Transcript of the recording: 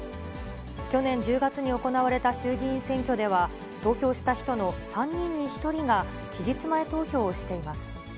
去年１０月に行われた衆議院選挙では、投票した人の３人に１人が期日前投票をしています。